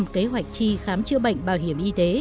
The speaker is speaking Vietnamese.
kế hoạch tri khám chữa bệnh bảo hiểm y tế